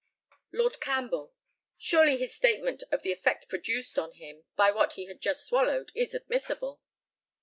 Lord CAMPBELL: Surely his statement of the effect produced on him by what he had just swallowed is admissible.